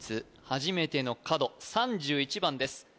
初めての角３１番です